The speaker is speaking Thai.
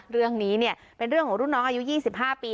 เรื่องนี้เนี่ยเป็นเรื่องของรุ่นน้องอายุยี่สิบห้าปี